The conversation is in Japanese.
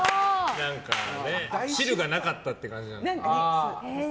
汁がなかったって感じなのかな。